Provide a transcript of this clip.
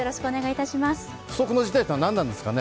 不測の事態というのは何なんですかね？